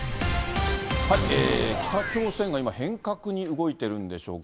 北朝鮮が今、変革に動いてるんでしょうか。